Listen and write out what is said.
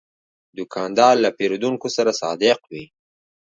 دوکاندار له پیرودونکو سره صادق وي.